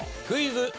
クイズ。